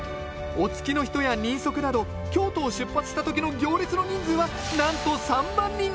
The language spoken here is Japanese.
お付きの人や人足など京都を出発した時の行列の人数はなんと３万人！